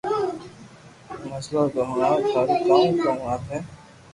مسلو تو ھڻاو ٿارو ڪو ڪاو وات ھي